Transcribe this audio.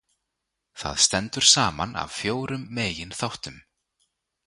Það stendur saman af fjórum megin þáttum.